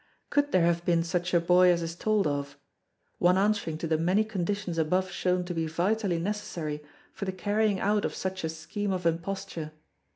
Could there have been such a boy as is told of; one answering to the many conditions above shown to be vitally necessary for the carrying out of such a scheme of imposture.